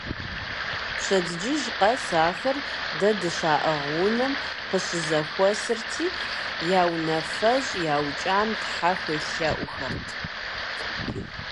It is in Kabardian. Пщэдджыжь къэс ахэр дэ дыщаӀыгъ унэм къыщызэхуэсырти, я унафэщӀ яукӀам тхьэ хуелъэӀухэрт.